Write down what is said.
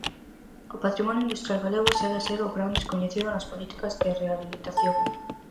O patrimonio industrial galego segue a ser o gran descoñecido nas políticas de rehabilitación.